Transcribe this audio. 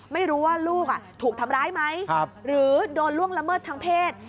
ไม่รู้ว่าลูกถูกทำร้ายไหมหรือโดนล่วงละเมิดทางเพศ